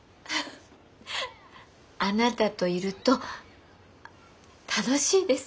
あなたといると楽しいです。